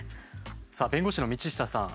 さあ弁護士の道下さん。